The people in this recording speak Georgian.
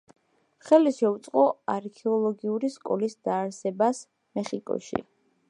ხელი შეუწყო არქეოლოგიური სკოლის დაარსებას მეხიკოში.